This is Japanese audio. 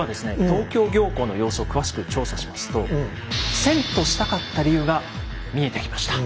東京行幸の様子を詳しく調査しますと遷都したかった理由が見えてきました。